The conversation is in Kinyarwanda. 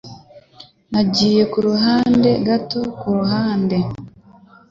Nagiye ku ruhande gato kuruhande